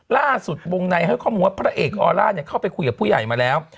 ล่าสุดบงในเขาคิดว่าพระเอกออล่าเข้าไปคุยกับผู้ใหญ่มาแล้ว